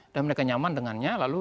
dan mereka nyaman dengannya lalu